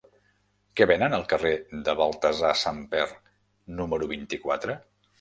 Què venen al carrer de Baltasar Samper número vint-i-quatre?